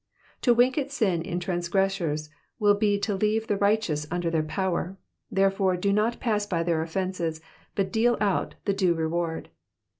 To wink at sin in trangsressors will be to leave the righteous under their power, therefore do not pass by their offences but deal out the due reward.